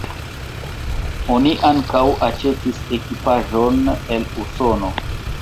Oni ankaŭ aĉetis ekipaĵon el Usono.